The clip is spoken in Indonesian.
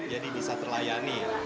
jadi bisa terlayani